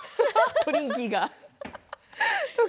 トリンキーが。